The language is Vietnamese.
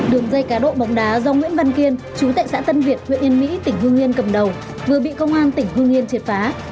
đường dây cá độ bóng đá do nguyễn văn kiên chú tại xã tân việt huyện yên mỹ tỉnh hương yên cầm đầu vừa bị công an tỉnh hương yên triệt phá